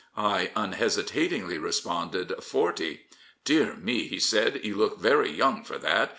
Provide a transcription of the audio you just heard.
I unhesitatingly responded, " Forty." " Dear me," he said, " you look very young for that.